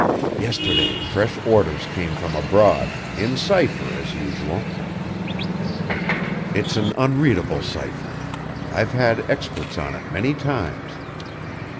"Yesterday fresh orders came from abroad, in cipher, as usual. (It's an unreadable cipher. I've had experts on it many times.)